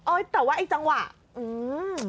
แต่ว่าไอ้จังหวะอืม